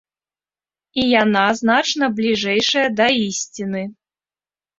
І яна значна бліжэйшая да ісціны.